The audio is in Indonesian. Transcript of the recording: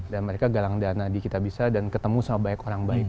dan mereka galang dana di kitabisa dan ketemu sama banyak orang baik